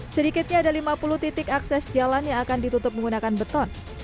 sedikitnya ada lima puluh titik akses jalan yang akan ditutup menggunakan beton